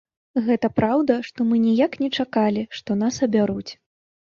Гэта праўда, што мы ніяк не чакалі, што нас абяруць.